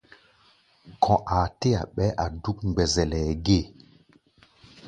Kɔ̧ aa tɛ́-a ɓɛɛ́ a̧ dúk mgbɛzɛlɛ gée.